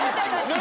何？